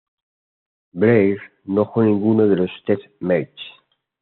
Blair no jugó ninguno de los test matches.